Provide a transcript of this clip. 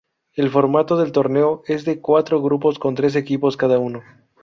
El formato del torneo es de cuatro grupos con tres equipos cada uno.